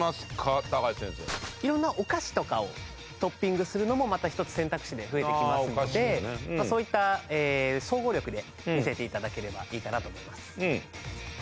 色んなお菓子とかをトッピングするのもまた一つ選択肢で増えてきますのでそういった総合力で見せて頂ければいいかなと思います。